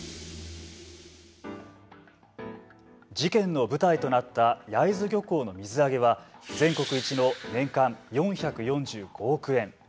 事件の舞台となった焼津漁港の水揚げは全国一の年間４４５億円。